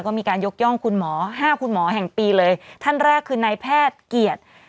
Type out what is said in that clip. ก็มีการยกย่องคุณหมอห้าคุณหมอแห่งปีเลยท่านแรกคือนายแพทย์เกียรติ